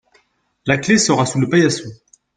la clé sera sous le paillason.